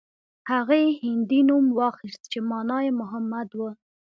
هغه يې هندي نوم واخيست چې مانا يې محمد و.